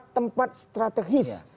itu tempat strategis